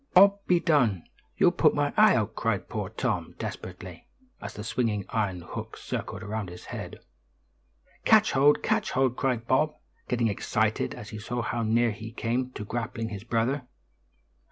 "Bob, be done! You'll put my eye out!" cried poor Tom, desperately, as the swinging iron hook circled around his head. "Catch hold! Catch hold!" cried Bob, getting excited as he saw how near he came to grappling his brother.